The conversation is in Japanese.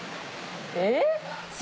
えっ？